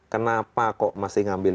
kenapa kok masih ngambil